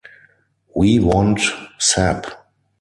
We want Sapp!